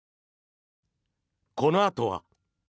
このあとは。